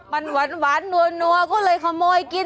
มันหวานนัวก็เลยขโมยกิน